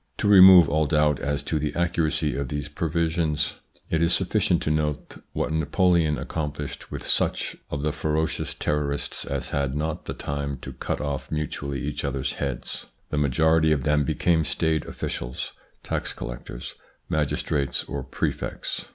To remove all doubt as to the accuracy of these previsions it is sufficient to note what Napoleon accomplished with such of the ferocious Terrorists as had not the time to cut off mutually each others' heads. The majority of them became staid officials, tax collectors, magistrates or prefects.